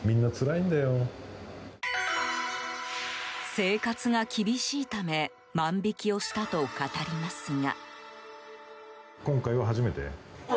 生活が厳しいため万引きをしたと語りますが。